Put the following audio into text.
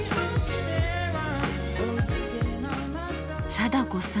貞子さん